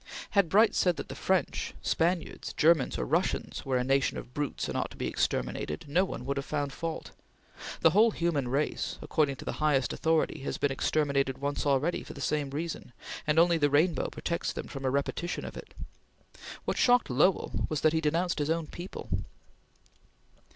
Had Bright said that the French, Spaniards, Germans, or Russians were a nation of brutes and ought to be exterminated, no one would have found fault; the whole human race, according to the highest authority, has been exterminated once already for the same reason, and only the rainbow protects them from a repetition of it. What shocked Lowell was that he denounced his own people.